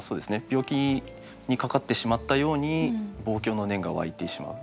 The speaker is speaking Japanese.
病気にかかってしまったように望郷の念が湧いてしまう。